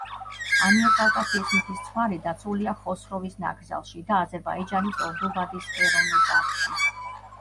ამიერკავკასიის მთის ცხვარი დაცულია ხოსროვის ნაკრძალში და აზერბაიჯანის ორდუბადის ეროვნულ პარკში.